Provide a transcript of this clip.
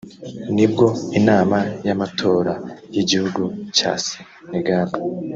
nibwo Inama y’amatora y’igihugu cya Senegali